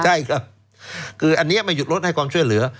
ใช่ครับคืออันนี้ไม่หยุดรถให้ความช่วยเหลือ